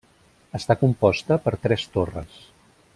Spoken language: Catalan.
Està composta per tres torres.